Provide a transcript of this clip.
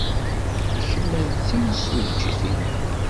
D kemm ay d timsujjit-inu?